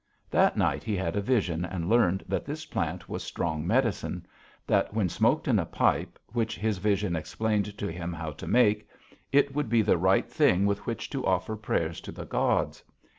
That night he had a vision and learned that this plant was strong medicine; that, when smoked in a pipe, which his vision explained to him how to make, it would be the right thing with which to offer prayers to the gods.